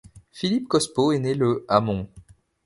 Philipe Cospeau est né le à Mons.